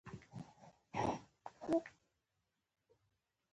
زړه د هيلو د وزرونو کور دی.